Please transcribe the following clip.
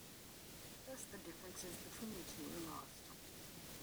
Thus the differences between the two are lost.